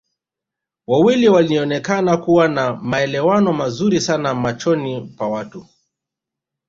Wawili walioonekana kuwa na maelewano mazuri sana machoni pa watu